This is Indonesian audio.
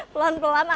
pelan pelan atu pak